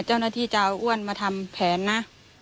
เจ้าหน้าที่จะเอาอ้วนมาทำแผนนะ